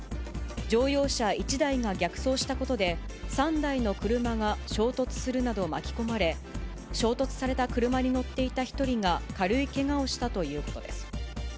乗用車１台が逆走したことで、３台の車が衝突するなど巻き込まれ、衝突された車に乗っていた１人が軽いけがをしたということです。